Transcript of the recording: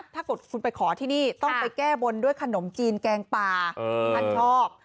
ถ้าเกิดคุณไปขอที่นี่ต้องไปแก้บนด้วยขนมจีนแกงปลาท่านชอบ